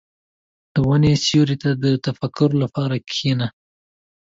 • د ونې سیوري ته د تفکر لپاره کښېنه.